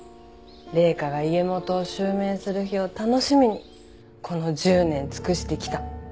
麗華が家元を襲名する日を楽しみにこの１０年尽くしてきた。